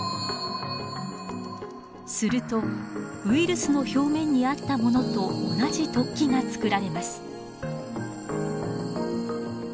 するとウイルスの表面にあったものと同じ突起が作られます。